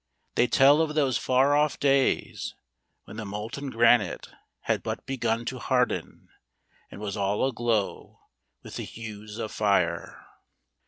They tell of those far off days when the molten granite had but begun to harden, and was all aglow with the hues of fire.